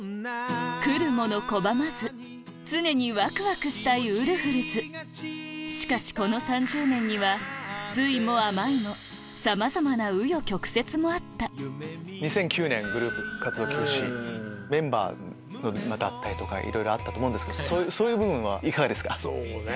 来る者拒まず常にワクワクしたいウルフルズしかしこの３０年には酸いも甘いもさまざまな紆余曲折もあったメンバーの脱退とかいろいろあったと思うけどそういう部分はいかがですか？